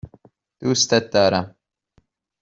دوستت دارم.